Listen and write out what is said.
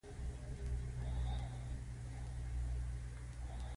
د ویب کیش کول د پاڼو بارول ګړندي کوي.